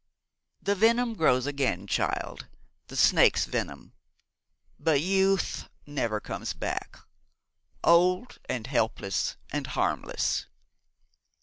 The venom grows again, child the snake's venom but youth never comes back. Old, and helpless, and harmless!'